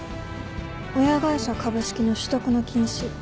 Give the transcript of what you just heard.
親会社株式の取得の禁止。